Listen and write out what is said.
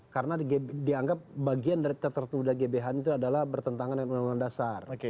karena dianggap bagian dari tertentu dari gbhn itu adalah bertentangan dengan undang undang dasar